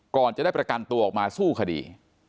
ก่อนจะได้ประกันตัวออกมาสู้คดี